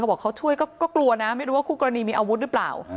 บอกเขาช่วยก็กลัวนะไม่รู้ว่าคู่กรณีมีอาวุธหรือเปล่า